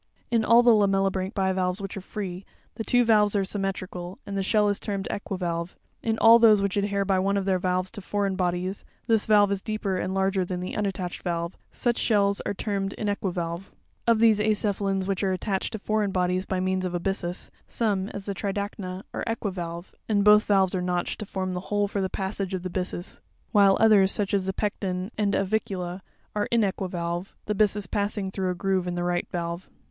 In all the lamellibranch bivalves which are free, the two valves are symmetrical, and the shell is termed equivalve ; in all those which adhere by one of their valves to foreign bodies, this valve is deeper and larger than the unattached valve ; such shells are termed inequivalve. Of those acephalans which are attached to foreign bodies by means of a byssus, some, as the Tridacna (fig. 103), are equivalve, and both valves are notched, .to form the hole for the passage of the byssus; while others, as the Pecten (fig. 91), and Avicula (fig. 95), are inequivalve, the byssus passing through a groove in the right valve.